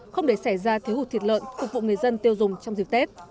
không để xảy ra thiếu hụt thịt lợn phục vụ người dân tiêu dùng trong dịp tết